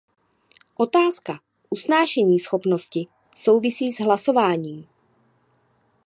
Otázka usnášeníschopnosti souvisí s hlasováním.